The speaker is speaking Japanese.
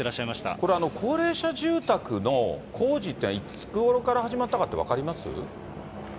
これは高齢者住宅の工事っていうのは、いつごろから始まったかって分かります？